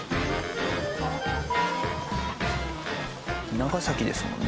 長崎ですもんね？